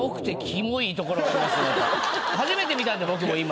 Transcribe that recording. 初めて見たんで僕も今。